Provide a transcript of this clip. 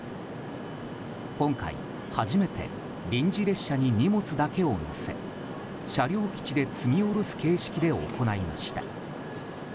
今回、初めて臨時列車に荷物だけを載せ車両基地で積み下ろす形式で行いました。